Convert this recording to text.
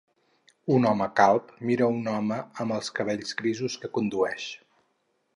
Un home calb mira un home amb els cabells grisos que condueix